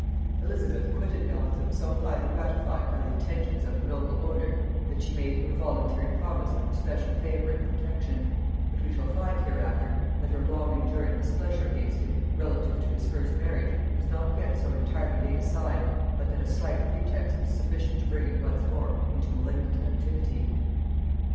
Elizabeth quitted Elvetham so highly gratified by the attentions of the noble owner, that she made him a voluntary promise of her special favor and protection; but we shall find hereafter, that her long enduring displeasure against him relative to his first marriage was not yet so entirely laid aside but that a slight pretext was sufficient to bring it once more into malignant activity.